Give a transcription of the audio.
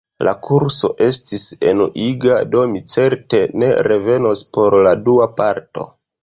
La kurso estis enuiga, do mi certe ne revenos por la dua parto.